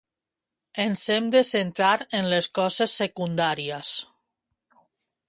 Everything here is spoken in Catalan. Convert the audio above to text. Ens hem de centrar en les coses secundàries.